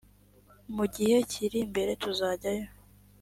mu gihe kiri imbere tuzajyayo